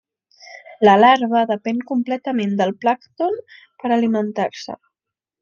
La larva depèn completament del plàncton per alimentar-se.